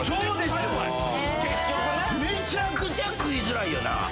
めちゃくちゃ食いづらいよな。